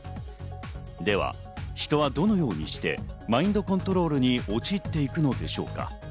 では、人はどのようにしてマインドコントロールに陥っていくのでしょうか。